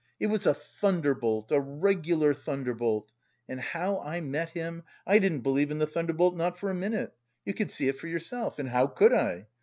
It was a thunderbolt, a regular thunderbolt! And how I met him! I didn't believe in the thunderbolt, not for a minute. You could see it for yourself; and how could I?